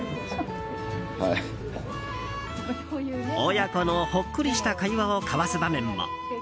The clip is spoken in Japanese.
親子のほっこりした会話を交わす場面も。